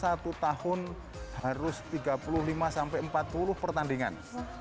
satu tahun harus tiga puluh lima sampai empat puluh pertandingan